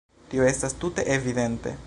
Tio estas tute evidente.